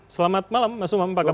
selamat malam mas umam pak ketara